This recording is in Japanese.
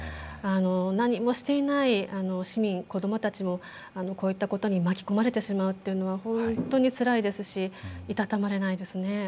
何もしていない市民子どもたちもこういったことに巻き込まれてしまうというのは本当につらいですしいたたまれないですね。